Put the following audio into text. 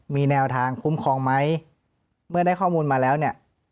มีแนวทางคุ้มครองไหมเมื่อได้ข้อมูลมาแล้วเนี่ย